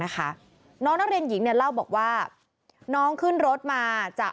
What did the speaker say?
น้องนักเรียนหญิงเนี่ยเล่าบอกว่าน้องขึ้นรถมาจาก